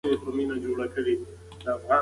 چریکي جګړو بری راوست.